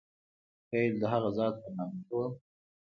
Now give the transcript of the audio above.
پیل د هغه ذات په نامه کوم.